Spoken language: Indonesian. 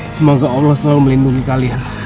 semoga allah selalu melindungi kalian